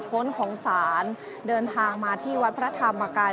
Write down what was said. เมื่อเวลาอันดับสุดท้ายเมื่อเวลาอันดับสุดท้าย